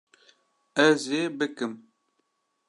Ez ê bikim